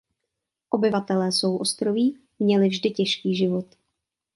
Obyvatelé souostroví měli vždy těžký život.